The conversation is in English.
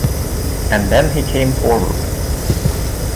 And then he came forward.